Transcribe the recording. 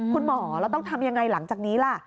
คุณหมอแล้วต้องทำยังไงหลังจากนี้ล่ะ